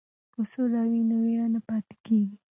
که سوله وي نو وېره نه پاتې کیږي.